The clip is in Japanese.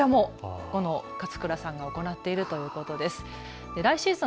毎回こちらも勝倉さんが行っているということです。